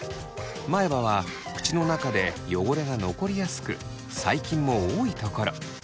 前歯は口の中で汚れが残りやすく細菌も多いところ。